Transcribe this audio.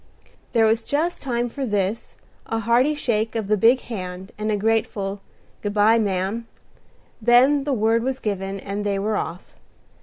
There was just time for this, a hearty shake of the big hand, and a grateful "Good by, ma'am;" then the word was given, and they were off.